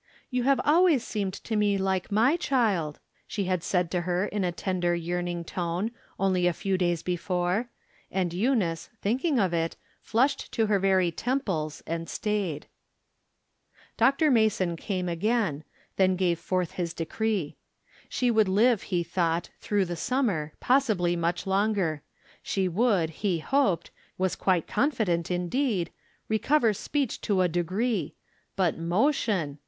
" You have always seemed to me like my child," she had said to her in a tender, yearning tone, only a few days be fore, and Eimice, thinking of it, flushed to her very temples, and staid. Dr. Mason came again, and then gave forth his decree. She would live, he thought, through the summer, possibly much longer ; she would, he hoped — was quite confident, indeed — ^i ecover speech to a degree — but motion